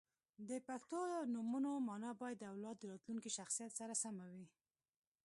• د پښتو نومونو مانا باید د اولاد د راتلونکي شخصیت سره سمه وي.